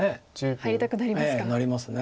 入りたくなりますか。